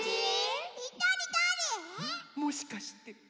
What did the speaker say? もしかして。